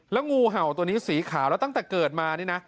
แล้วงูเห่าตัวนี้สีขาวแล้วตั้งแต่เกิดมานี่นะ